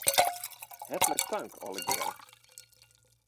Hertlik tank allegearre.